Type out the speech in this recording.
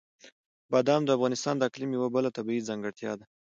بادام د افغانستان د اقلیم یوه بله طبیعي ځانګړتیا ده.